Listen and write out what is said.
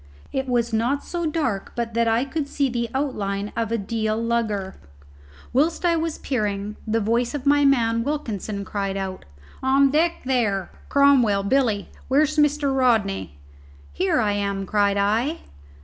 It was not so dark but that I could see the outline of a Deal lugger. Whilst I was peering, the voice of my man Wilkinson cried out, "On deck, there! Cromwell Billy where's Mr. Rodney?" "Here I am!" cried I.